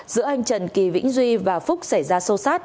giữa anh trần kỳ vĩnh duy và phúc xảy ra xô